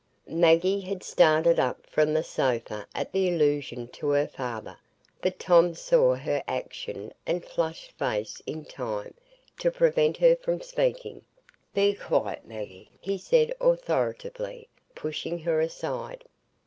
Maggie had started up from the sofa at the allusion to her father, but Tom saw her action and flushed face in time to prevent her from speaking. "Be quiet, Maggie," he said authoritatively, pushing her aside.